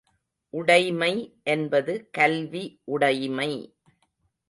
உடைமை என்பது கல்வி உடைமை.